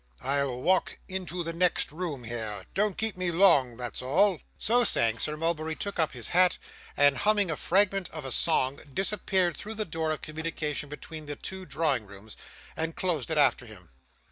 I'll walk into the next room here. Don't keep me long, that's all.' So saying, Sir Mulberry took up his hat, and humming a fragment of a song disappeared through the door of communication between the two drawing rooms, and closed it after him.